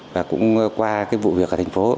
và cũng qua cái vụ việc ở thành phố